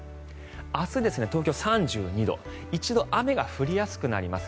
明日東京、３２度一度雨が降りやすくなります。